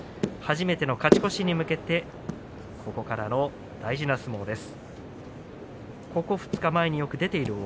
初めての勝ち越しに向けてここからの大事な相撲が続きます。